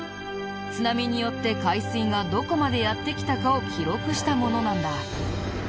津波によって海水がどこまでやって来たかを記録したものなんだ。